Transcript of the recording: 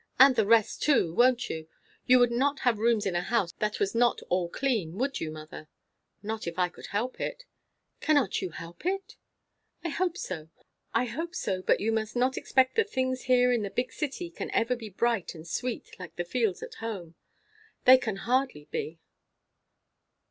"And the rest too, won't you? You would not have rooms in a house that was not all clean, would you, mother?" "Not if I could help it." "Cannot you help it?" "I hope so. But you must not expect that things here in a big city can ever be bright and sweet like the fields at home. That can hardly be."